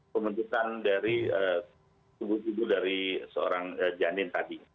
pembentukan dari tubuh tubuh dari seorang janin tadi